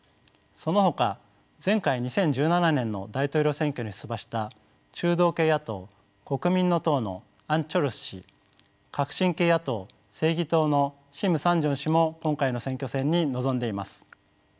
そのほか前回２０１７年の大統領選挙に出馬した中道系野党「国民の党」のアン・チョルス氏革新系野党「正義党」のシム・サンジョン氏も今回の選挙戦に臨んでいます。